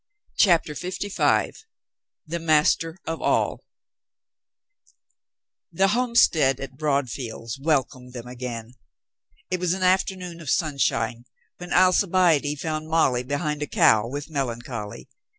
CHAPTER FIFTY FIVE THE MASTER OF ALL ' I "^HE homestead at Broadfields welcomed them * again. It was an afternoon of sunshine when Alcibiade found Molly behind a cow with melan choly.